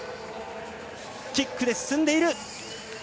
キックで進んでいる。